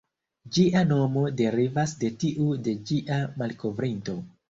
Ĝia nomo derivas de tiu de ĝia malkovrinto.